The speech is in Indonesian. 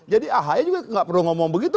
jadi ahaya juga tidak perlu ngomong begitu